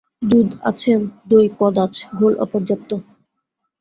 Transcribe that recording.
দুধ আছেন, দই কদাচ, ঘোল অপর্যাপ্ত।